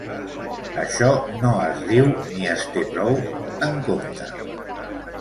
Això no es diu ni es té prou en compte.